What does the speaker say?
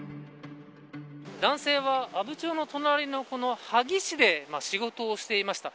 男性は阿武町の隣の萩市で仕事をしていました。